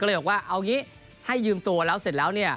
ก็เลยบอกว่าเอาอย่างนี้ให้ยืมตัวแล้วเสร็จแล้ว